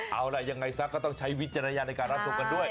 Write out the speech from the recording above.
เอาล่ะยังไงซะก็ต้องใช้วิจารณญาณในการรับชมกันด้วย